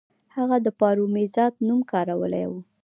هغه د پاروپامیزاد نوم کارولی و